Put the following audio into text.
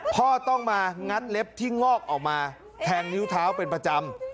พ่อต้องมางัดเล็บที่งอกออกมาแทงนิ้วเท้าเป็นประจำ